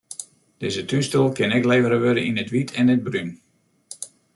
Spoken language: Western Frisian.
Dizze túnstoel kin ek levere wurde yn it wyt en it brún.